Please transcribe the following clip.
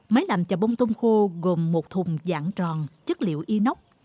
máy làm chà bông tôm khô gồm một thùng dạng tròn chất liệu inox